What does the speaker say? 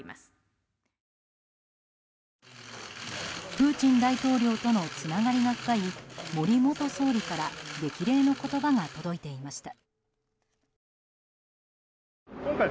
プーチン大統領とのつながりが深い森元総理から激励の言葉が届いていました。